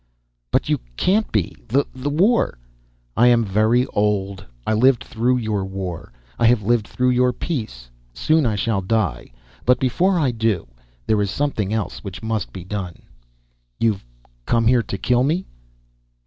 "But you can't be! The war " "I am very old. I lived through your war. I have lived through your peace. Soon I shall die. But before I do, there is something else which must be done." "You've come here to kill me?"